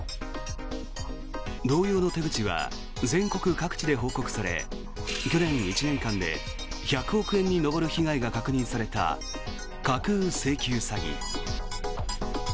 同様の手口は全国各地で報告され去年１年間で１００億円に上る被害が確認された架空請求詐欺。